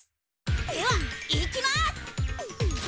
では行きます！